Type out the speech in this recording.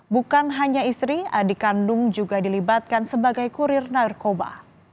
bukan hanya istri adik kandung juga dilibatkan sebagai kurir narkoba